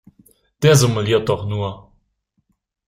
Der simuliert doch nur!